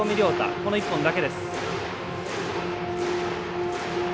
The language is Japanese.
この１本だけです。